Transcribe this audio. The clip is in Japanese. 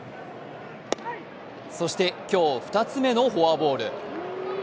そして今日２つ目のフォアボール。